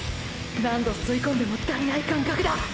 何度吸い込んでも足りない感覚だ。